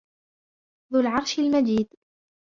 ذُو الْعَرْشِ الْمَجِيدُ